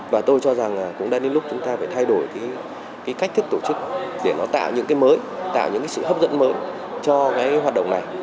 và tôi cho rằng cũng đang đến lúc chúng ta phải thay đổi cái cách thức tổ chức để nó tạo những cái mới tạo những cái sự hấp dẫn mới cho cái hoạt động này